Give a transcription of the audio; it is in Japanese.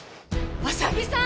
浅木さん！？